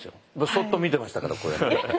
そっと見てましたから。